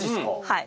はい。